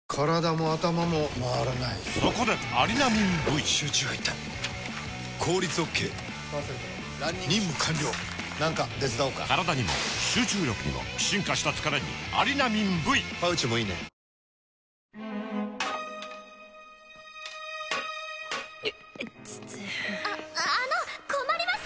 イテテああの困ります！